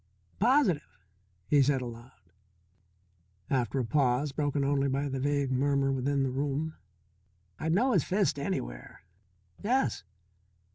"Positive," he said, aloud, after a pause broken only by the vague murmur within the room. "I'd know his fist anywhere. Yes."